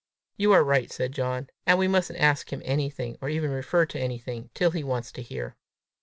"You are right," said John. "And we mustn't ask him anything, or even refer to anything, till he wants to hear."